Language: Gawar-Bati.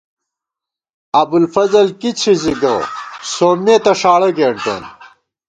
ابُوالفضل کی څِھزِی گہ ، سومّے تہ ݭاڑہ گېنٹون